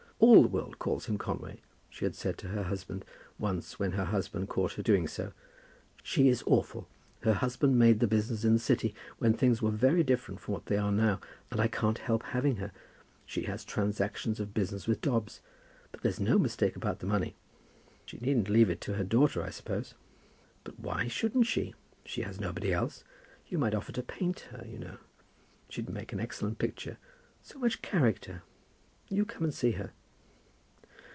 "All the world calls him Conway," she had said to her husband once when her husband caught her doing so. "She is awful. Her husband made the business in the City, when things were very different from what they are now, and I can't help having her. She has transactions of business with Dobbs. But there's no mistake about the money." "She needn't leave it to her daughter, I suppose?" "But why shouldn't she? She has nobody else. You might offer to paint her, you know. She'd make an excellent picture. So much character. You come and see her."